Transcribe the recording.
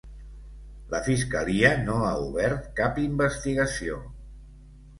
La fiscalia no ha obert cap investigació.